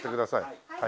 はい。